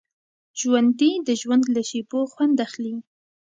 ژوندي د ژوند له شېبو خوند اخلي